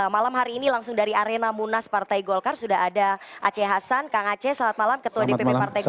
malam hari ini langsung dari arena munas partai golkar sudah ada aceh hasan kang aceh selamat malam ketua dpp partai golkar